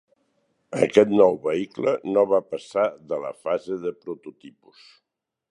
Aquest nou vehicle no va passar de la fase de prototipus.